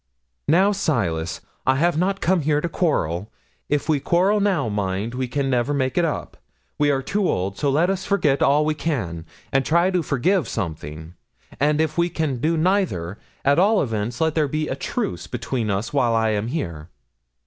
'"Now, Silas, I have not come here to quarrel. If we quarrel now, mind, we can never make it up we are too old, so let us forget all we can, and try to forgive something; and if we can do neither, at all events let there be truce between us while I am here."